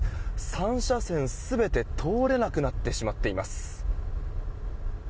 ３車線全て通れなくなってしまっています。